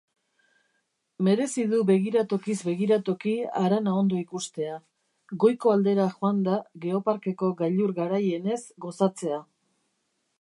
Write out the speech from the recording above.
Merezi du begiratokiz begiratoki harana ondo ikustea, goiko aldera joanda Geoparkeko gailur garaienez gozatzea.